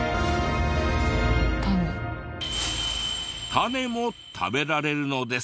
タネも食べられるのです！